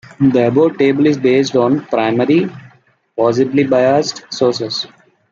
The above table is based on primary, possibly biased, sources.